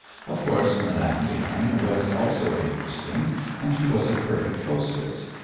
Of course, Madame Guerin was always interesting, and she was a perfect hostess.